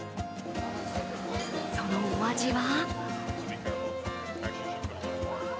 そのお味は？